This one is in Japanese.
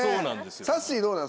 さっしーどうなん？